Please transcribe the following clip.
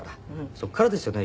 そこからですよね